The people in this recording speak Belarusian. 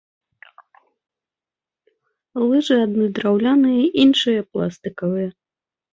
Лыжы адны драўляныя, іншыя пластыкавыя.